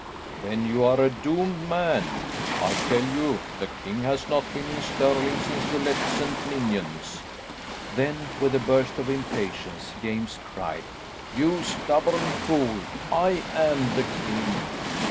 "Then you are a doomed man. I tell you the king has not been in Stirling since you left St. Ninians." Then with a burst of impatience James cried, "You stubborn fool, I am the king!"